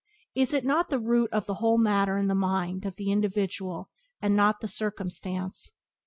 Is not the root of the whole matter in the mind of the individual and not in the circumstance?